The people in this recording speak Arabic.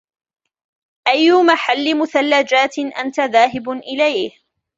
أي مَحَل مثلجات أنتَ ذاهب إليه ؟